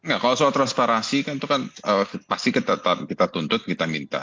kalau soal transparansi itu kan pasti kita tuntut kita minta